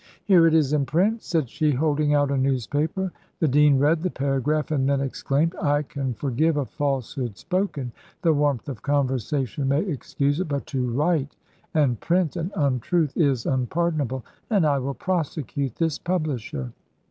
"Here it is in print," said she, holding out a newspaper. The dean read the paragraph, and then exclaimed, "I can forgive a falsehood spoken the warmth of conversation may excuse it but to write and print an untruth is unpardonable, and I will prosecute this publisher."